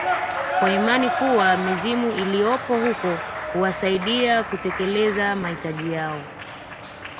kwa imani kuwa mizimu iliyopo huko huwasaidia kutekeleza mahitaji yao